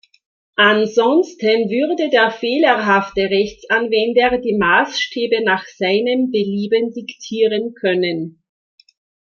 Ansonsten würde der fehlerhafte Rechtsanwender die Maßstäbe nach seinem Belieben diktieren können.